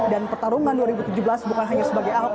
dan pertarungan dua ribu tujuh belas bukan hanya sebagai ahok